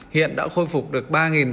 hiện đã khôi phục được ba sáu trăm một mươi